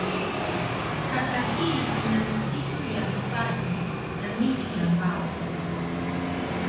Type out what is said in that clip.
Kata hii ina misitu ya hifadhi na miti ya mbao.